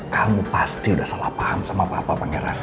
kamu pasti udah salah paham sama bapak pangeran